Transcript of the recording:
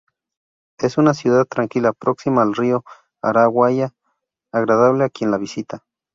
Es una ciudad tranquila, próxima al río Araguaia, agradable a quien la vista.